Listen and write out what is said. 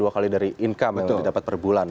dua kali dari income yang didapat per bulan